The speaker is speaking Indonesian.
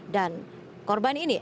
dan korban ini